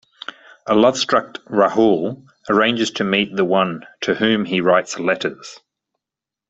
A lovestruck Rahul arranges to meet the one to whom he writes letters.